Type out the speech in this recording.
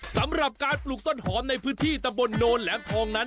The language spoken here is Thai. สำหรับการปลูกต้นหอมในพื้นที่ตำบลโนนแหลมทองนั้น